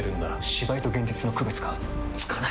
芝居と現実の区別がつかない！